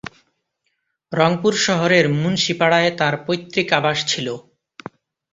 রংপুর শহরের মুন্সিপাড়ায় তার পৈতৃক আবাস ছিলো।